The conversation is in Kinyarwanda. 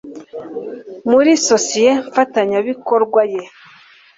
muri sosiye mfatanyabikorwa ye